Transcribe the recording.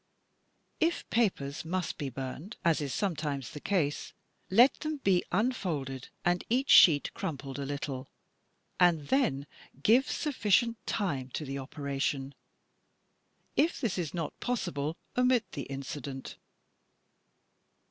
If papers must be bumed, as is sometimes the case, let them be imfolded and each sheet crumpled a little, and then give sufficient time to the operation. If this is not possible, omit the incident.